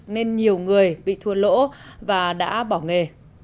nên nhiều người bị thua lỗ và đã bỏ nghề